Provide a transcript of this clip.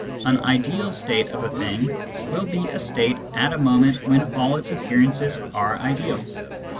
An " ideal " state of a thing will be a state at a moment when all its appearances are ideal.